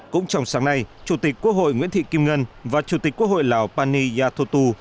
cũng trong sáng nay chủ tịch quốc hội nguyễn thị kim ngân và chủ tịch quốc hội lào pani yathotu